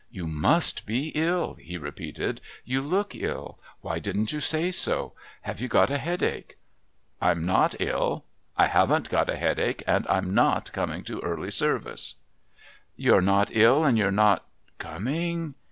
"You must be ill," he repeated. "You look ill. Why didn't you say so? Have you got a headache?" "I'm not ill. I haven't got a headache, and I'm not coming to Early Service." "You're not ill, and you're not coming..."